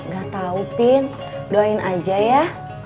gak tau pin doain aja ya